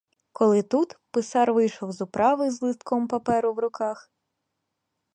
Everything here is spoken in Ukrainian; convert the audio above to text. Коли тут писар вийшов з управи з листком паперу в руках.